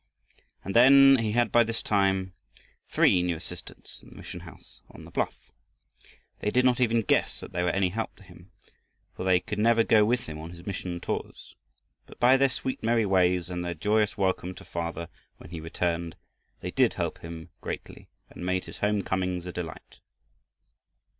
And then, he had by this time three new assistants in the mission house on the bluff. They did not even guess that they were any help to him, for they could never go with him on his mission tours. But by their sweet merry ways and their joyous welcome to father, when he returned, they did help him greatly, and made his home comings a delight.